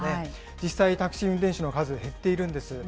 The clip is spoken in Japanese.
実際、タクシー運転手の数、減っているんです。